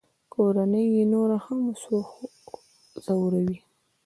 کورنۍ یې نور هم ځوروي